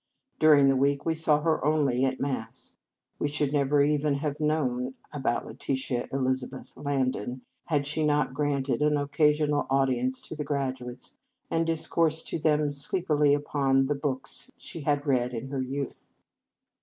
During the week we saw her only at Mass. We should never even have known about Letitia Elizabeth Lan don, had she not granted an occa sional audience to the graduates, and discoursed to them sleepily upon the books she had read in her youth.